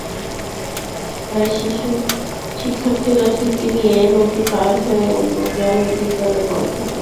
তাই শিশুশিক্ষার্থীরা ঝুঁকি নিয়ে নদী পার হয়ে অন্য গ্রামের বিদ্যালয়ে পড়াশোনা করছে।